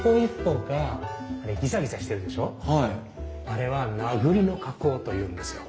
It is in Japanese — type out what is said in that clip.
あれは名栗の加工というんですよ。